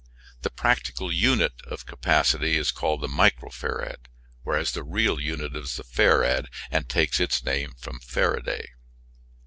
The practical unit of capacity is called the micro farad, the real unit is the farad, and takes its name from Faraday.